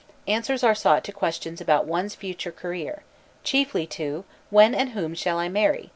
Answers are sought to questions about one's future career; chiefly to: when and whom shall I marry?